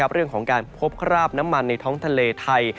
เรื่องของการพบคราบน้ำมันในท้องทะเลไทย